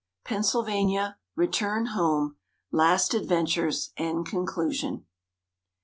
PENNSYLVANIA RETURN HOME LAST ADVENTURES AND CONCLUSION.